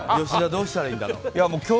吉田、どうしたらいいんだろう。